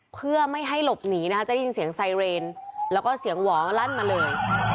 เพื่อไม่ให้หลบหนีนะคะจะได้ยินเสียงไซเรนแล้วก็เสียงหวอลั่นมาเลย